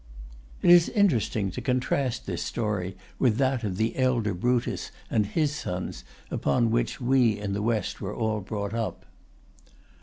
It is interesting to contrast this story with that of the elder Brutus and his sons, upon which we in the West were all brought up.